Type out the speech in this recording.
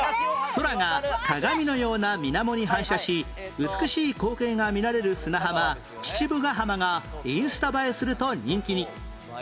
空が鏡のような水面に反射し美しい光景が見られる砂浜父母ヶ浜がインスタ映えすると人気に